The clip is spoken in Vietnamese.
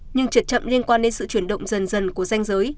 nhưng trệt chậm liên quan đến sự chuyển động dần dần của danh giới